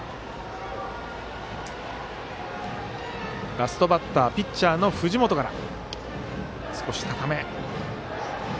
ラストバッターピッチャーの藤本から。